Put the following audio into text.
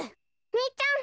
みっちゃん！